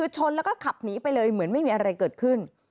ชนแล้วก็ขับหนีไปเลยเหมือนไม่มีอะไรเกิดขึ้น